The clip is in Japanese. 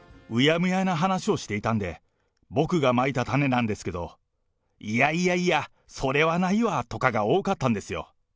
うやむやな話をしていたんで、僕がまいた種なんですけれども、いやいやいや、それはないわとかが多かったんですよ。